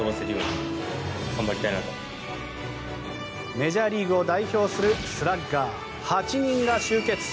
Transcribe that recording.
メジャーリーグを代表するスラッガー８人が集結。